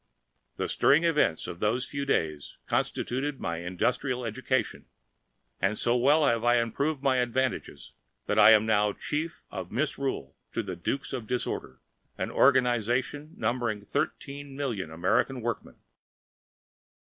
The stirring events of those few days constituted my industrial education, and so well have I improved my advantages that I am now Chief of Misrule to the Dukes of Disorder, an organization numbering thirteen million American workingmen.